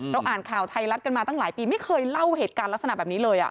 อ่านข่าวไทยรัฐกันมาตั้งหลายปีไม่เคยเล่าเหตุการณ์ลักษณะแบบนี้เลย